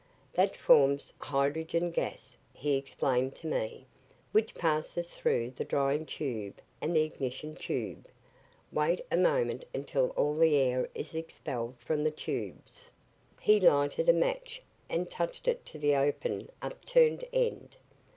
"That forms hydrogen gas," he explained to me, "which passes through the drying tube and the ignition tube. Wait a moment until all the air is expelled from the tubes." He lighted a match and touched it to the open, upturned end.